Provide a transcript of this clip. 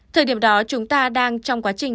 thời điểm đó chúng ta đang trong quá trình